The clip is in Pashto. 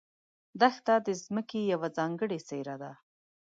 دښته د ځمکې یوه ځانګړې څېره ده.